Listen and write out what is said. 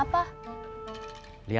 bapak barusan lagi apa